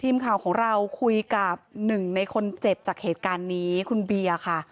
ทีมข่าวของเราคุยกับหนึ่งในคนเจ็บจากเหตุการณ์นี้คุณเบียร์ค่ะ